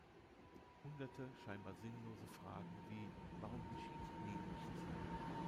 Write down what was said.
Hunderte scheinbar sinnlose Fragen wie „Warum geschieht nie Nichts?